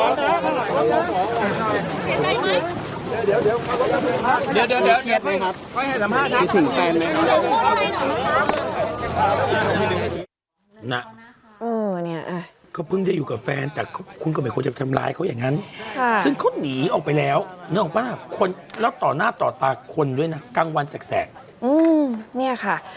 ลองไปฟังเสียงผู้ก่อเหตุแล้วเขาพูดว่าอย่างไร